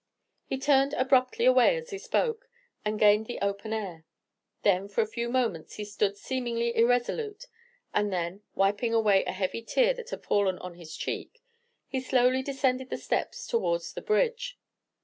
He turned abruptly away as he spoke, and gained the open air. There for a few moments he stood seemingly irresolute, and then, wiping away a heavy tear that had fallen on his cheek, he slowly descended the steps towards the bridge.